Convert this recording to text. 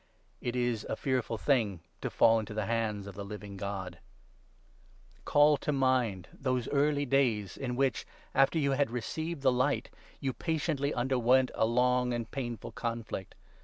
It is a fearful thing to fall into the hands of the Living God. 31 Call to mind those early days in which, after you had 32 received the Light, you patiently underwent a long and painful conflict.